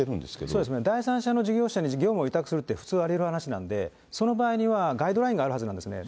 そうですね、第三者の事業者に業務を委託するって、普通ありえる話なんで、その場合には、ガイドラインがあるはずなんですね。